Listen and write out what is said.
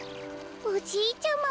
おじいちゃま。